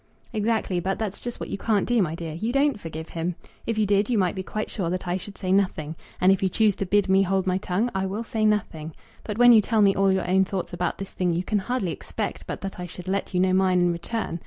"Exactly; but that's just what you can't do, my dear. You don't forgive him. If you did you might be quite sure that I should say nothing. And if you choose to bid me hold my tongue I will say nothing. But when you tell me all your own thoughts about this thing you can hardly expect but that I should let you know mine in return.